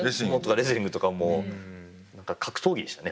レスリングとかもう格闘技でしたね。